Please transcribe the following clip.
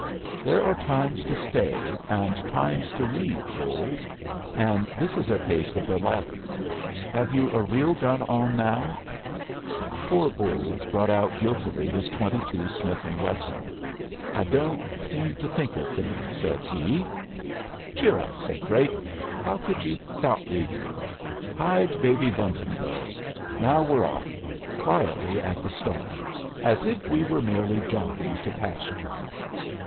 "There are times to stay and times to leave, Bolles; and this is a case of the latter. Have you a real gun on now?" Poor Bolles brought out guiltily his.22 Smith & Wesson. "I don't seem to think of things," said he. "Cheer up," said Drake. "How could you thought read me? Hide Baby Bunting, though. Now we're off. Quietly, at the start. As if we were merely jogging to pasture."